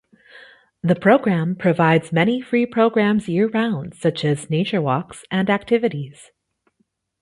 The program provides many free programs year-round, such as nature walks and activities.